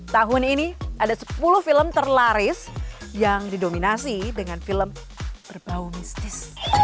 tahun ini ada sepuluh film terlaris yang didominasi dengan film berbau mistis